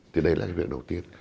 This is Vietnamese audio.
thì đấy là cái việc đầu tiên